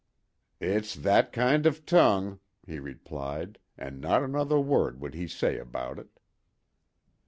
"It's that kind of tongue," he replied, and not another word would he say about it.